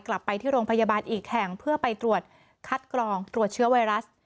กลับไปที่โรงพยาบาลอีกแห่งเพื่อไปตรวจคัดกรองตรวจเชื้อไวรัส